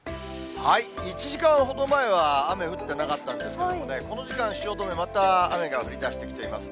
１時間ほど前は雨降ってなかったんですけどもね、この時間、汐留また雨が降りだしてきています。